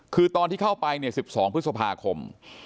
คือตอนที่เข้าไป๑๒พฤษภาคม